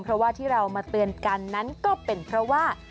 เพราะว่าที่เรามาเตือนกันนั้นก็เป็นเพราะว่า